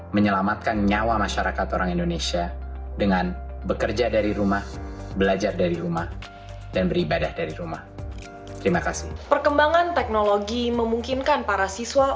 perkembangan teknologi memungkinkan para siswa